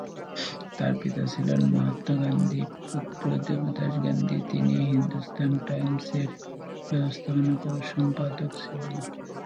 তার পিতা ছিলেন মহাত্মা গান্ধীর পুত্র দেবদাস গান্ধী, তিনি "হিন্দুস্তান টাইমসের" ব্যবস্থাপনা সম্পাদক ছিলেন।